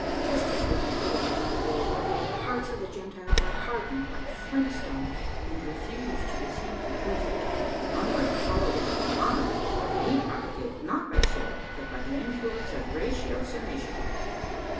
Just as with the Philistines of old, the hearts of the Gentiles are hardened like flint stones, and refuse to receive the true faith. Unlike the followers of Mohammed, we propagate not by the sword, but by the influence of ratiocination."